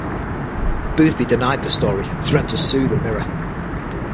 Boothby denied the story and threatened to sue the "Mirror".